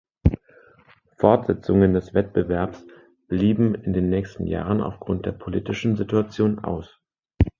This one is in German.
Fortsetzungen des Wettbewerbs blieben in den nächsten Jahren aufgrund der politischen Situation aus.